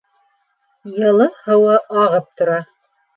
Йылы һыуы ағып тора.